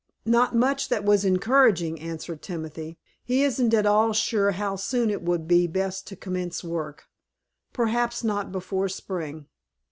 "Not much that was encouraging," answered Timothy. "He isn't at all sure how soon it will be best to commence work; perhaps not before spring."